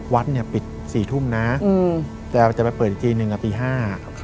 วัดปิด๔ทุ่มนะแต่จะไปเปิดอีกทีหนึ่งกับอีกที๕